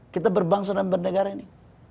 kita berbangsa dan bernegara ini